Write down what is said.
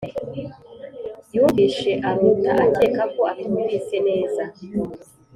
yumvishe arota akeka ko atumvise neza